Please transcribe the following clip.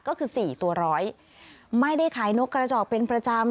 ก็คือสี่ตัวร้อยไม่ได้ขายนกกระจอกเป็นประจำ